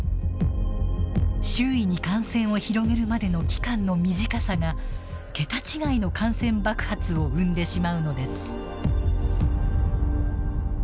周囲に感染を広げるまでの期間の短さが桁違いの感染爆発を生んでしまうのです。